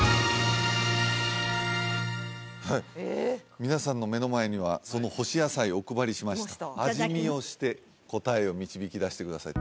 はい皆さんの目の前にはその干し野菜をお配りしました味見をして答えを導き出してください